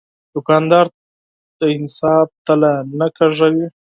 دوکاندار د انصاف تله نه کږوي.